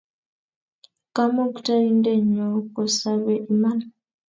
Kamukta-indennyo ko sabe iman